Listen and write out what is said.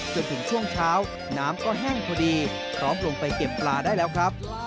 จนถึงช่วงเช้าน้ำก็แห้งพอดีพร้อมลงไปเก็บปลาได้แล้วครับ